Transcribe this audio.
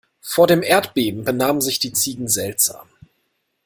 Vor dem Erdbeben benahmen sich die Ziegen seltsam.